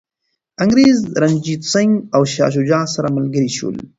انګریز، رنجیت سنګ او شاه شجاع سره ملګري شول.